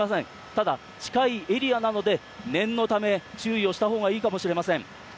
ただ、近いエリアなので念のため注意をしたほうがいいかもしれません。